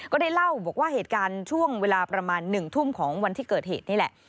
ก็ได้เล่าบอกว่าเหตุการณ์ช่วงเวลาประมาณ๑ทุ่มของวันที่เกิดเหตุนี่แหละ